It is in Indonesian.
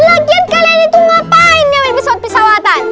lagian kalian itu ngapain ya pesawat pesawatan